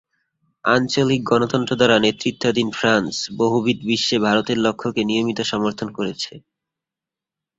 আঞ্চলিক গণতন্ত্র দ্বারা নেতৃত্বাধীন ফ্রান্স বহুবিধ বিশ্বে ভারতের লক্ষ্যকে নিয়মিত সমর্থন করেছে।